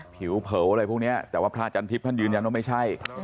ผิวเผออะไรพวกนี้แต่ว่าพระอาจารย์ทิพย์ท่านยืนยันว่าไม่ใช่